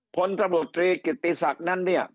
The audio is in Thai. พลตบตรีกฤติศักดิ์นั้นเนี่ย